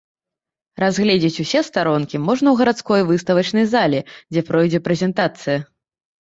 Разгледзець усе старонкі можна ў гарадской выставачнай зале, дзе пройдзе прэзентацыя.